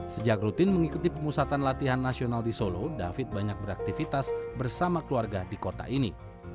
sejak rutin mengikuti pemusatan latihan nasional di solo david banyak beraktivitas bersama keluarga di kota ini